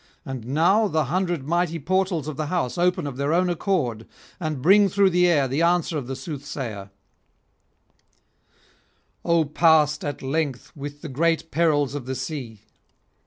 And now the hundred mighty portals of the house open of their own accord, and bring through the air the answer of the soothsayer: 'O past at length with the great perils of the sea!